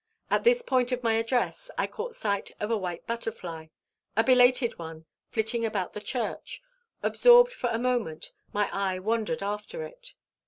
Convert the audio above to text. At this point of my address, I caught sight of a white butterfly, a belated one, flitting about the church. Absorbed for a moment, my eye wandered after it.